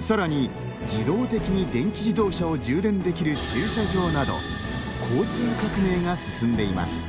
さらに、自動的に電気自動車を充電できる駐車場など交通革命が進んでいます。